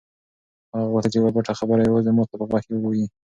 هغه غوښتل چې یوه پټه خبره یوازې ما ته په غوږ کې ووایي.